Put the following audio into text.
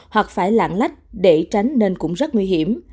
hoặc phải lạng lách để tránh nên cũng rất nguy hiểm